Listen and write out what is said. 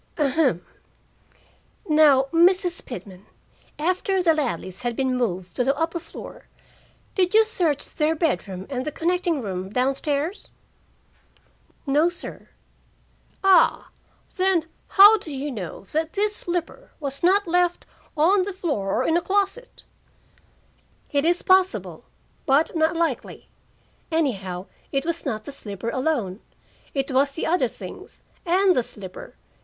"Ahem. Now, Mrs. Pitman, after the Ladleys had been moved to the upper floor, did you search their bedroom and the connecting room down stairs?" "No, sir." "Ah. Then, how do you know that this slipper was not left on the floor or in a closet?" "It is possible, but not likely. Anyhow, it was not the slipper alone. It was the other things and the slipper.